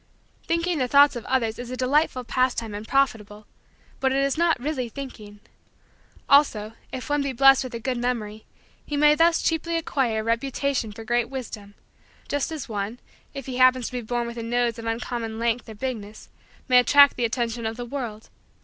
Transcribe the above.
Thinking the thoughts of others is a delightful pastime and profitable but it is not really thinking. Also, if one be blessed with a good memory, he may thus cheaply acquire a reputation for great wisdom; just as one, if he happens to be born with a nose of uncommon length or bigness, may attract the attention of the world.